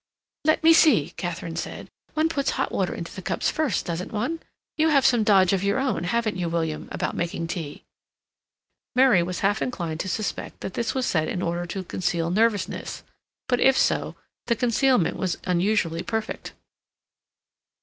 "Let me see," Katharine said, "one puts hot water into the cups first, doesn't one? You have some dodge of your own, haven't you, William, about making tea?" Mary was half inclined to suspect that this was said in order to conceal nervousness, but if so, the concealment was unusually perfect.